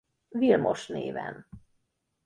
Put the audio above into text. Vilmos néven.